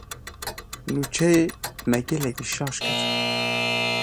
Nûçeyê, me gelekî şaş kir.